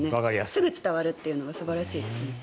すぐ伝わるというのが素晴らしいですよね。